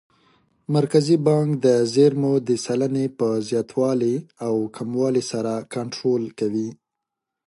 مرکزي بانک د زېرمو د سلنې په زیاتوالي او کموالي سره کنټرول کوي.